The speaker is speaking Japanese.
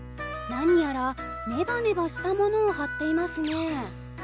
何やらネバネバしたものを張っていますね。